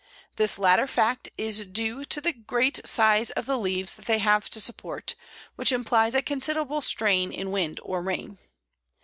This latter fact is due to the great size of the leaves they have to support, which implies a considerable strain in wind or rain.